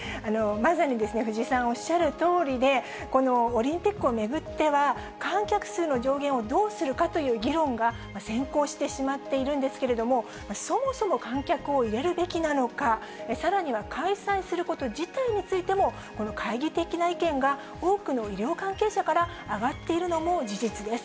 まさに藤井さんおっしゃるとおりで、このオリンピックを巡っては、観客数の上限をどうするかという議論が先行してしまっているんですけれども、そもそも観客を入れるべきなのか、さらには開催すること自体についても、懐疑的な意見が多くの医療関係者から上がっているのも事実です。